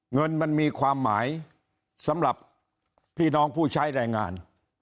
เงินมันมีความหมายสำหรับพี่น้องผู้ใช้แรงงาน